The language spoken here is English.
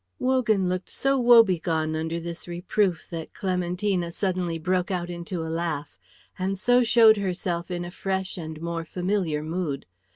Wogan looked so woe begone under this reproof that Clementina suddenly broke out into a laugh, and so showed herself in a fresh and more familiar mood.